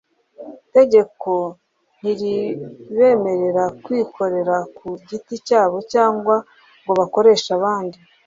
Itegeko ntiribemerera kwikorera ku giti cyabo cyangwa ngo bakoreshe abandi